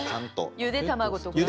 ゆで卵とか？